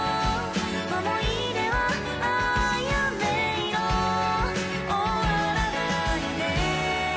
思い出はあやめ色「終わらないで」